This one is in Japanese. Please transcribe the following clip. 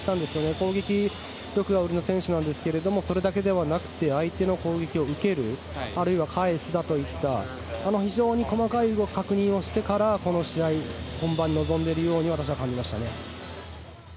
攻撃力が売りの選手ですがそれだけではなくて相手の攻撃を受けるあるいは返すといった非常に細かい動きを確認してからこの試合本番に臨んでいるように私は感じましたね。